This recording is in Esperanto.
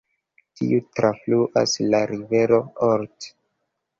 Tiu trafluas la rivero Olt.